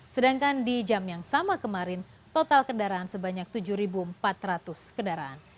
sedangkan di jam yang sama kemarin total kendaraan sebanyak tujuh empat ratus kendaraan